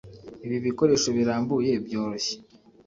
ibi bikoresho birambuye byoroshye.